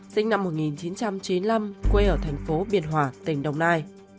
sinh năm một nghìn chín trăm chín mươi năm quê ở thành phố biên hòa tỉnh đồng nai